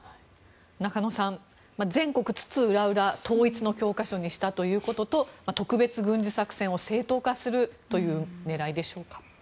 中野さん、全国津々浦々統一の教科書にしたということと特別軍事作戦を正当化するという狙いでしょうか。